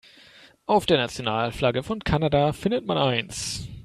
Auf der Nationalflagge von Kanada findet man eins.